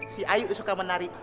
si ayu suka menari